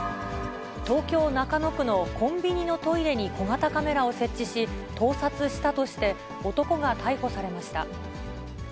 東京・中野区のコンビニのトイレに小型カメラを設置し、盗撮したとして、男が逮捕されました。